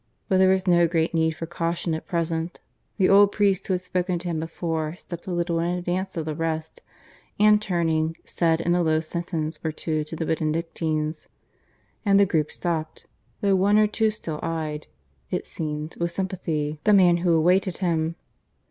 But there was no great need for caution at present. The old priest who had spoken to him before stepped a little in advance of the rest, and turning, said in a low sentence or two to the Benedictines; and the group stopped, though one or two still eyed, it seemed, with sympathy, the man who awaited him.